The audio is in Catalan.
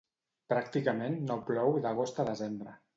Pràcticament no plou d'agost a desembre.